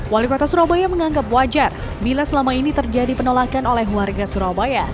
wali kota surabaya menganggap wajar bila selama ini terjadi penolakan oleh warga surabaya